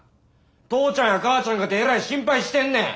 父ちゃんや母ちゃんかてえらい心配してんねん！